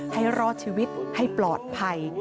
ให้รอดชีวิตให้ปลอดภัย